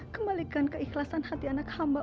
kembalikan keikhlasan hati anak hamba